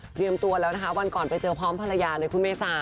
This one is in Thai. ตัวแล้วนะคะวันก่อนไปเจอพร้อมภรรยาเลยคุณเมษา